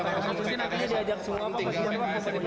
habis ini diajak semua pak presiden